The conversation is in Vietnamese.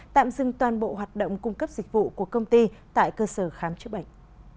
tạm dừng toàn bộ hoạt động cung cấp dịch vụ của công ty tại cơ sở khám chữa bệnh